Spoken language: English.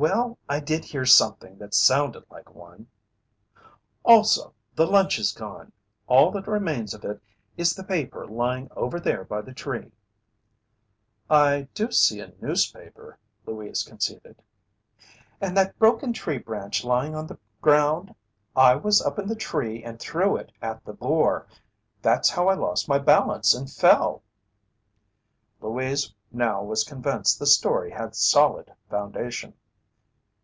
"Well, I did hear something that sounded like one." "Also, the lunch is gone. All that remains of it, is the paper lying over there by the tree." "I do see a newspaper," Louise conceded. "And that broken tree branch lying on the ground? I was up the tree and threw it at the boar. That's how I lost my balance and fell." Louise now was convinced the story had solid foundation.